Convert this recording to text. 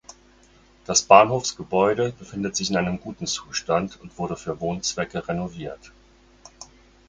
Das Bahnhofsgebäude befindet sich in einem guten Zustand und wurde für Wohnzwecke renoviert.